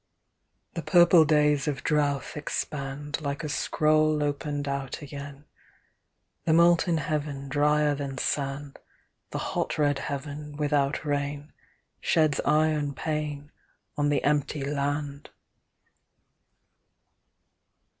XIII The purple days of drouth expand Like a scroll opened out again; The molten heaven drier than sand, The hot red heaven without rain, Sheds iron pain on the empty land.